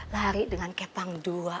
lari dengan kepang dua